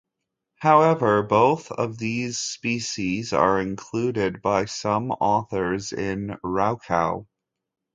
However, both of these species are included by some authors in "Raukaua".